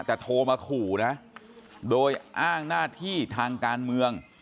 แต่โทรมาขู่นะโดยอ้างหน้าที่ทางการเมือง